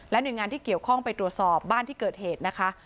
หน่วยงานที่เกี่ยวข้องไปตรวจสอบบ้านที่เกิดเหตุนะคะ